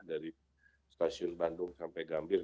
dari stasiun bandung sampai gambir